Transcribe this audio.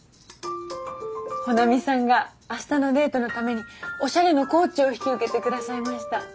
穂波さんが明日のデートのためにおしゃれのコーチを引き受けて下さいました。